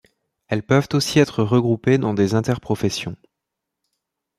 Elles peuvent aussi être regroupées dans des interprofessions.